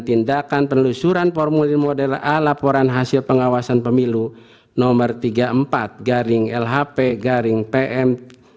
tindakan penelusuran formulir model a laporan hasil pengawasan pemilu nomor tiga puluh empat lhp pm satu dua satu dua ribu dua puluh empat